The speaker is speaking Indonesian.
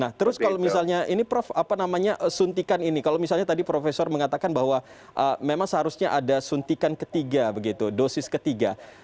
nah terus kalau misalnya ini prof apa namanya suntikan ini kalau misalnya tadi profesor mengatakan bahwa memang seharusnya ada suntikan ketiga begitu dosis ketiga